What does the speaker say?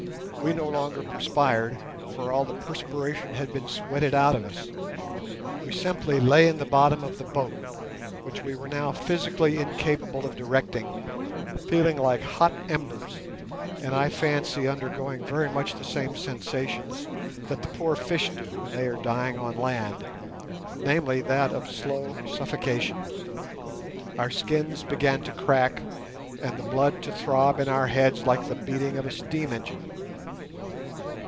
We no longer perspired, for all the perspiration had been sweated out of us. We simply lay in the bottom of the boat, which we were now physically incapable of directing, feeling like hot embers, and I fancy undergoing very much the same sensations that the poor fish do when they are dying on land—namely, that of slow suffocation. Our skins began to crack, and the blood to throb in our heads like the beating of a steam engine.